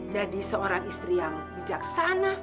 jadi seorang istri yang bijaksana